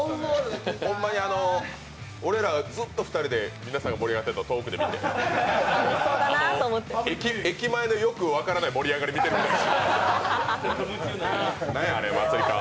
ほんまに俺ら、ずっと２人で皆さんが盛り上がっているのを後ろから見ていて駅前のよく分からない盛り上がり見てるみたい。